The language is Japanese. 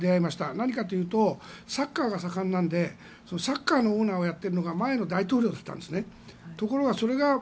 何かというとサッカーが盛んなのでサッカーのオーナーをやっているのが前の大統領だったんですね。